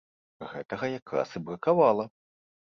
Гэтага якраз і бракавала.